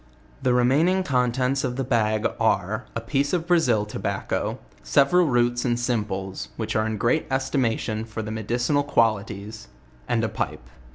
The remaining contents of the bag are, a piece ui Ikazu tobacco, several roots end sim 8 114 JOURNAL OF pies, which are in great estimation for the medicinal quali ties, and a pipe.